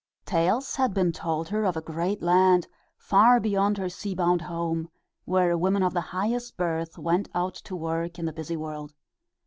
Tales had been told her of a great land, far beyond her sea bound home, where women of the highest birth went out to work in the busy world.